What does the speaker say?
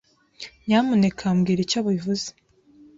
Nyamuneka mbwira icyo bivuze.